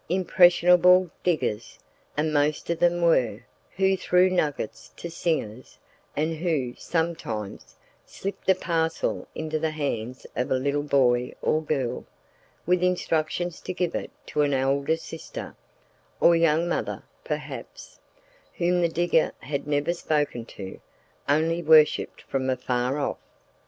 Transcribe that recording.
Impressionable diggers—and most of them were—who threw nuggets to singers, and who, sometimes, slipped a parcel into the hands of a little boy or girl, with instructions to give it to an elder sister (or young mother, perhaps) whom the digger had never spoken to, only worshipped from afar off.